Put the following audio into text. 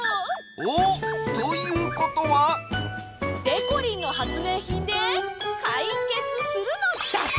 おお！ということは？でこりんのはつめいひんでかいけつするのだ！